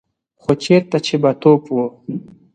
خو چېرته چې به توپ و.